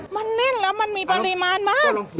มันแน่นแล้วมันมีปริมาณมาก